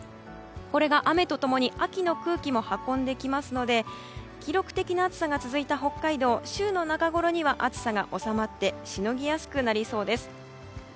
これが雨と共に秋の空気も運んできますので記録的な暑さが続いた北海道週の中ごろには暑さが収まってしのぎやすくなりそうです。